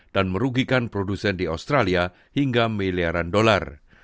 dan merugikan produsen di australia hingga miliaran dolar